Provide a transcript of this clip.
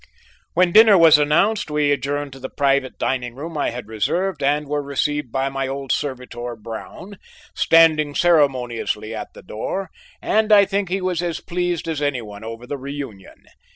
When dinner was announced, we adjourned to the private dining room I had reserved and were received by my old servitor, Brown, standing ceremoniously at the door, and I think he was as pleased as any one over the reunion.